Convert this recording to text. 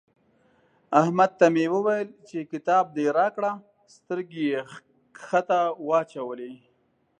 احمد ته مې وويل چې کتاب دې راکړه؛ سترګې يې کښته واچولې.